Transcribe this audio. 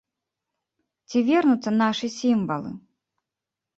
Ці вернуцца нашы сімвалы?